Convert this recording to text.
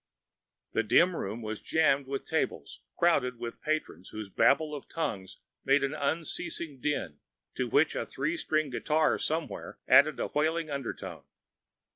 The dim room was jammed with tables crowded with patrons whose babel of tongues made an unceasing din, to which a three string guitar somewhere added a wailing undertone.